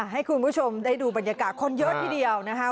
ให้คุณผู้ชมได้ดูบรรยากาศคนเยอะทีเดียวนะคะ